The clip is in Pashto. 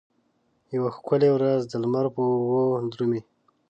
یوه ښکلې ورځ د لمر په اوږو درومې